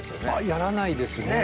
やらないですね。